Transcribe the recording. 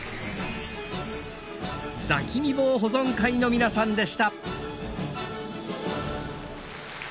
座喜味棒保存会の皆さんでした。